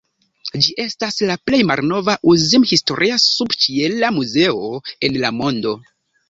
Ĝi estas la plej malnova uzin-historia subĉiela muzeo en la mondo.